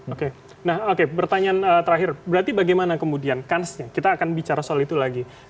oke nah oke pertanyaan terakhir berarti bagaimana kemudian kansnya kita akan bicara soal itu lagi